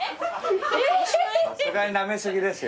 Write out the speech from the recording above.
さすがになめ過ぎですよ。